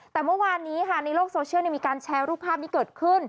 แต่เมื่อวานนี้ค่ะในโลกโซเชียลมีการแชร์รูปภาพนี้เกิดขึ้น